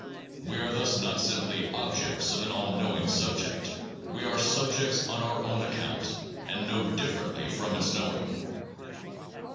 We are thus not simply objects to an all knowing subject: we are subjects on our own account and know differently from its knowing.